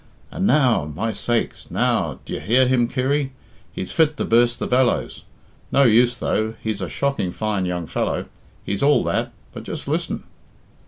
And now! my sakes, now! D'ye hear him, Kirry? He's fit to burst the bellows. No use, though he's a shocking fine young fellow he's all that.... But just listen!"